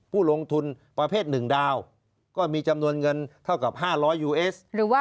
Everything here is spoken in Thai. ผู้ลงทุนประเภทหนึ่งดาวก็มีจำนวนเงินเท่ากับห้าร้อยยูเอส